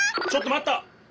ちょっとまった！